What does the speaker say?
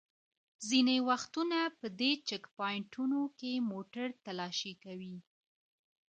ځینې وختونه په دې چېک پواینټونو کې موټر تالاشي کوي.